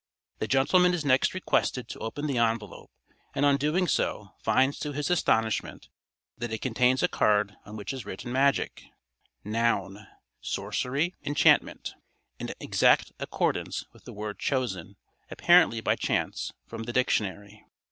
The gentleman is next requested to open the envelope, and on doing so finds to his astonishment that it contains a card on which is written "Magic, n, sorcery; enchantment," in exact accordance with the word chosen, apparently by chance, from the dictionary.